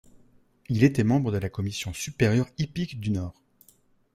Il était membre de la Commission supérieure hippique du Nord.